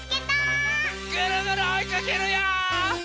ぐるぐるおいかけるよ！